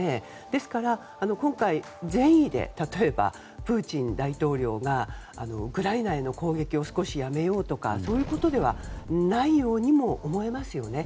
ですから、今回例えばプーチン大統領がウクライナへの攻撃を少しやめようとかそういうことではないようにも思えますね。